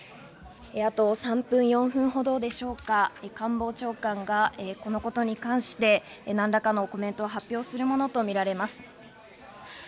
あと３４分ほどでしょうか、官房長官がこのことに関して何らかのコメントを発表するものとみられます。